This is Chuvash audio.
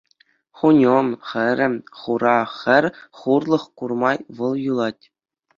Хуньӑм хӗрӗ хура хӗр хурлӑх курма вӑл юлать.